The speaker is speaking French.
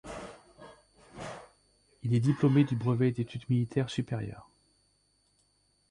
Il est diplômé du brevet d'études militaires supérieures.